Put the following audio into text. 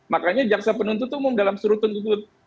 makanya jaksa penuntut umum dalam surat tuntutannya